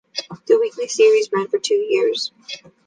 The weekly series ran for two years.